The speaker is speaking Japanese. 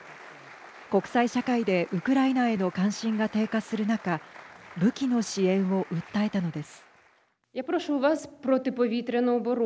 国際社会でウクライナへの関心が低下する中武器の支援を訴えたのです。